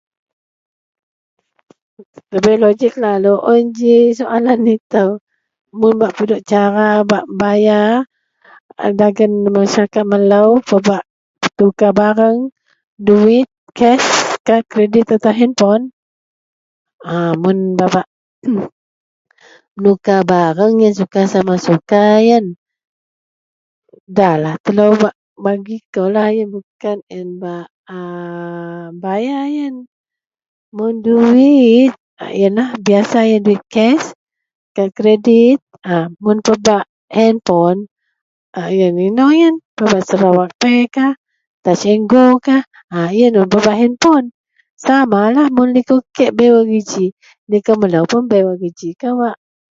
Debai logik lalu ji soalan ito mun ba pidok cara ba bayar serta melo ba betukar barang duit cash ,kad kredit serta handphone mun pebak menukar b yian kan mun duit cash, barang yian suka sama suka yian da lah bagi kou mun duit cash kad kredit dan pebak hand phone touch n' , go yian wak pebak hand phone samalah likou kei liko melo pun bei wak geji kawak.